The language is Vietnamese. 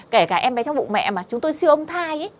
kể cả em bé trong bụng mẹ mà chúng tôi siêu âm thai